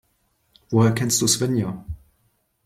Woher kennst du Svenja?